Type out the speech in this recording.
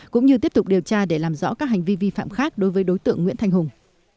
cũng như tiếp tục điều tra để làm rõ các hành vi vi phạm khác đối với đối tượng nguyễn thanh hùng